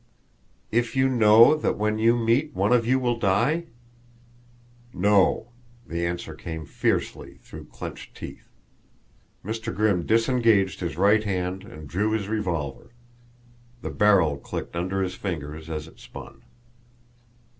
"If you know that when you meet one of you will die?" "No." The answer came fiercely, through clenched teeth. Mr. Grimm disengaged his right hand and drew his revolver; the barrel clicked under his fingers as it spun.